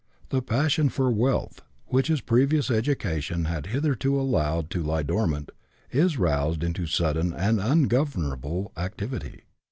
The passion for wealth, which his previous education has hitherto allowed to lie dormant, is roused into sudden and ungovernable activity.